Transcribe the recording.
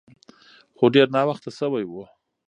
خو ډیر ناوخته شوی و.